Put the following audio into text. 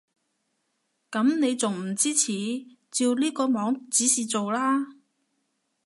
噉你仲唔支持？照呢個網指示做啦